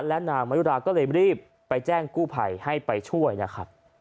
และนางมายุราก็เลยรีบไปแจ้งกู้ภัยให้ไปช่วยนะครับ